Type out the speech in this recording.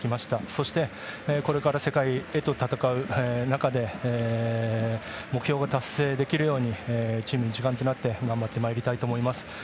そして、これから世界と戦う中で目標が達成できるようにチーム一丸となって頑張ってまいりたいと思います。